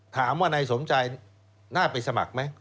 ถามว่านายสมใจน่าไปสมัครไหม